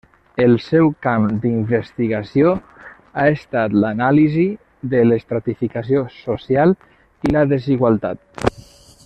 El seu camp d'investigació ha estat l'anàlisi de l'estratificació social i la desigualtat.